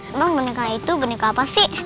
emang boneka itu boneka apa sih